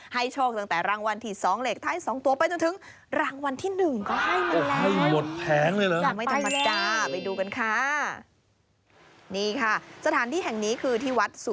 ให้โชคตั้งแต่รางวัลที่สองเหล็กถ้าให้สองตัวไปจนถึงรางวัลที่หนึ่งก็ให้มันแล้ว